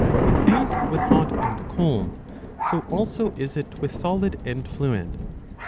^ As with hot and cold, so also is it with solid and fluid.